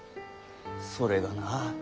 それがなあ